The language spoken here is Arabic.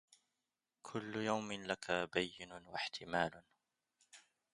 كل يوم لك بين واحتمال